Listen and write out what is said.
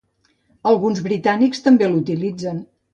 Alguns britànics també l'utilitzen.